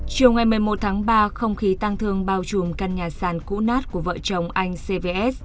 chiều ngày một mươi một tháng ba không khí tăng thương bao trùm căn nhà sàn cũ nát của vợ chồng anh cvs